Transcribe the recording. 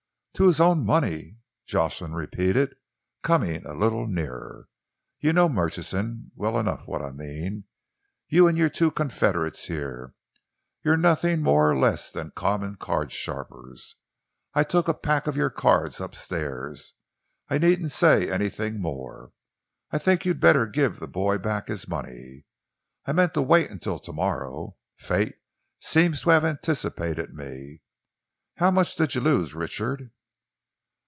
"'To his own money,' Jocelyn repeated, coming a little nearer. 'You know, Murchison, well enough what I mean you and your two confederates here. You're nothing more nor less than common card sharpers. I took a pack of your cards up stairs. I needn't say anything more. I think you'd better give the boy back his money. I meant to wait until to morrow. Fate seems to have anticipated me. How much did you lose, Richard?'